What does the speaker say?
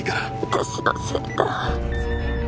私のせいだ。